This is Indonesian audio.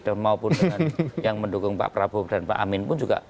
dan maupun yang mendukung pak prabowo dan pak amin